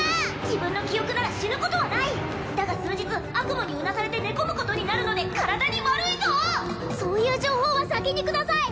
自分の記憶なら死ぬことはないだが数日悪夢にうなされて寝込むことになるので体に悪いぞそういう情報は先にください